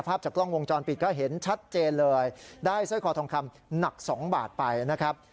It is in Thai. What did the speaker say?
จากกล้องวงจรปิดก็เห็นชัดเจนเลยได้สร้อยคอทองคำหนัก๒บาทไปนะครับ